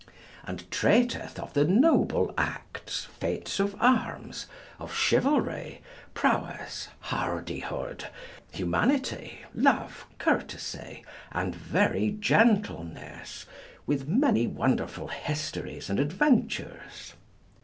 And treateth of the noble acts, feats of arms, of chivalry, prowess, hardihood, humanity, love, courtesy, and very gentleness, with many wonderful histories and adventures.